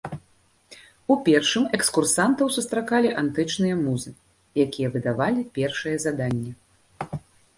У першым экскурсантаў сустракалі антычныя музы, якія выдавалі першае заданне.